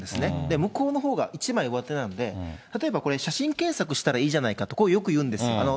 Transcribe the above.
向こうのほうが一枚上手なんで、例えばこれ、写真検索したらいいじゃないかと、こうよくいうんです。